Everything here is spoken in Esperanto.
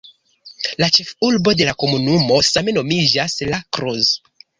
La ĉefurbo de la komunumo same nomiĝas "La Cruz".